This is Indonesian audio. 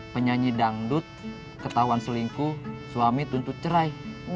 penyanyi dangdut ketahuan selingkuh suami tuntut cerai